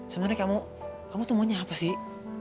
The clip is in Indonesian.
sebenernya kamu kamu tuh maunya apa sih